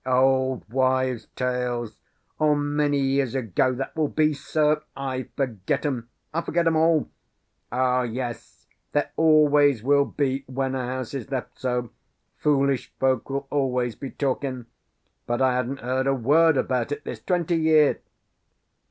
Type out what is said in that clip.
"Old wives' tales; many years ago, that will be, sir; I forget 'em; I forget 'em all. Oh yes, there always will be, when a house is left so; foolish folk will always be talkin'; but I hadn't heard a word about it this twenty year."